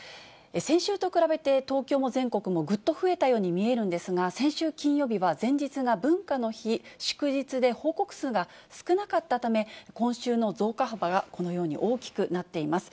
先週と比べて、東京も全国もぐっと増えたように見えるんですが、先週金曜日は、前日が文化の日、祝日で報告数が少なかったため、今週の増加幅が、このように大きくなっています。